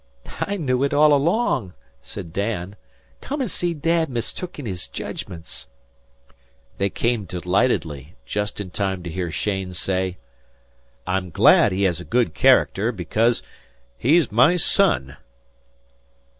"I knew it all along," said Dan. "Come an' see Dad mistook in his judgments." They came delightedly, just in time to hear Cheyne say: "I'm glad he has a good character, because he's my son."